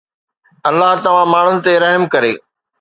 الله توهان ماڻهن تي رحم ڪري